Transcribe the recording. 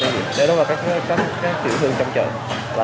để đối với các tiễn thương trong chợ